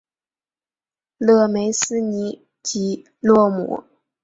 勒梅斯尼吉洛姆。